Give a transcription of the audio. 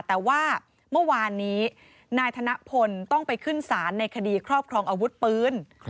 แต่ว่าเมื่อวานนี้นายธนพลต้องไปขึ้นศาลในคดีครอบครองอาวุธปืน